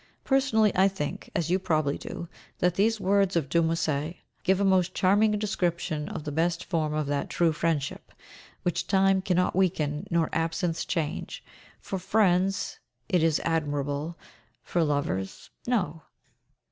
Personally I think, as you probably do, that these words of De Musset give a most charming description of the best form of that true friendship which time cannot weaken nor absence change. For friends it is admirable, for lovers, no.